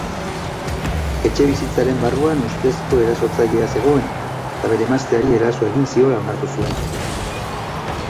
Etxebizitzaren barruan ustezko erasotzailea zegoen eta bere emazteari eraso egin ziola onartu zuen.